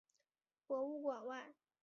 博物馆外